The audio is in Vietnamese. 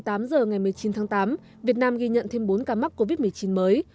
một mươi tám h ngày một mươi chín tháng tám việt nam ghi nhận thêm bốn ca mắc covid một mươi chín mới